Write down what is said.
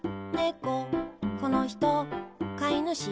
ここの人、飼い主